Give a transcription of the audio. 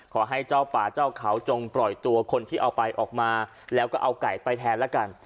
ขอให้เจ้าป่าเจ้าเขาจงปล่อยตัวคนที่เอาไปออกมาแล้วก็เอาไก่ไปแทนละกัน